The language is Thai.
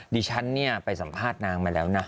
ดิฉันเนี่ยไปสัมภาษณ์นางมาแล้วนะ